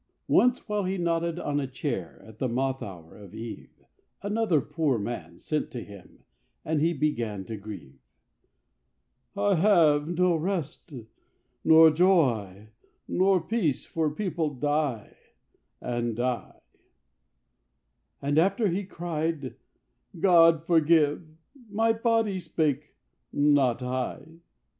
Once, while he nodded on a chair, At the moth hour of eve, Another poor man sent for him, And he began to grieve. "I have no rest, nor joy, nor peace, "For people die and die"; And after cried he, "God forgive! "My body spake, not I!"